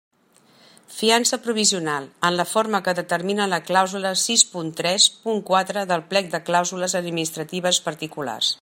Fiança provisional: en la forma que determina la clàusula sis punt tres punt quatre del plec de clàusules administratives particulars.